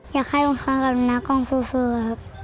อยากให้องค์ค้างกับนักกล้องสู้ครับ